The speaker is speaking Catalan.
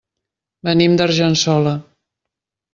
Venim d'Argençola.